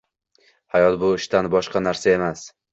Hayot bu ishdan boshqa narsa emas